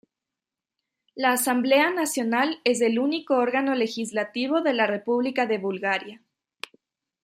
La Asamblea Nacional es el único órgano legislativo de la República de Bulgaria.